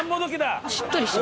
しっとりしてる。